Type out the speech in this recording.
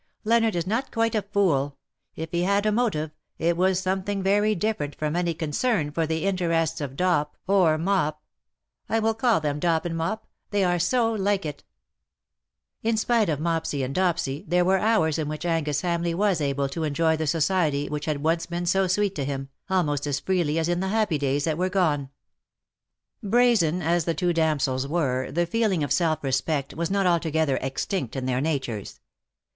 Leonard is not quite a fool. If he had a motive, it was something very different from any concern for the interests of Dop 234 or Mop — I will call them Dop and Mop : they are so like if In spite of Mopsy and Dopsy, there were hours in which Angus Hamleigh was able to enjoy the society which had once been so sweet to him, almost as freely as in the happy days that were gone. Brazen as the two damsels were the feeling of self respect was not altogether extinct in their natures.